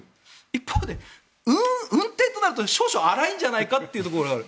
一方で運転となると少々荒いんじゃないかというところがある。